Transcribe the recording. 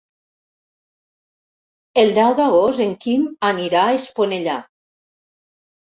El deu d'agost en Quim anirà a Esponellà.